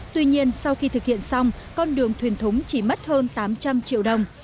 tuy nhiên sau khi thực hiện xong con đường thiền thống chỉ mất hơn tám trăm linh triệu đồng